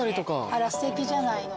あらすてきじゃないの。